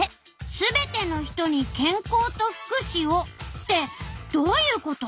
「すべての人にけんこうとふくしを」ってどういうこと？